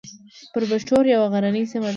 برښور یوه غرنۍ سیمه ده